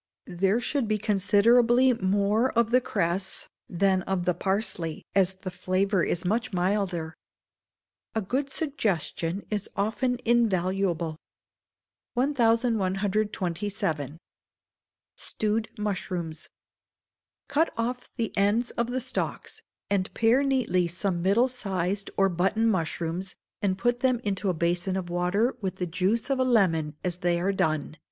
There should be considerably more of the cress than of the parsley, as the flavour is much milder. [A GOOD SUGGESTION IS OFTEN INVALUABLE.] 1127. Stewed Mushrooms. Cut off the ends of the stalks, and pare neatly some middle sized or button mushrooms, and put them into a basin of water with the juice of a lemon as they are done.